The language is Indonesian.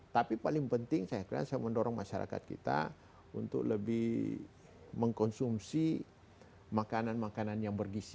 tapi paling penting saya kira saya mendorong masyarakat kita untuk lebih mengkonsumsi makanan makanan yang bergisi